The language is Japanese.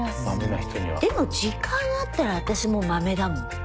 でも時間あったら私もマメだもん。